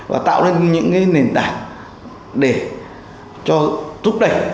và tạo ra những nền tảng để cho thúc đẩy